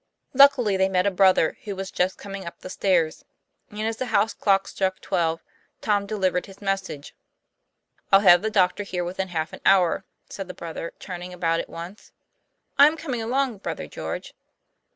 Luckily they met a brother who was just coming up the stairs: and as the house clock struck twelve, Tom delivered his message. 'I'll have the doctor here within half an hour," said the brother, turning about at once. 'I'm coming along, Brother George."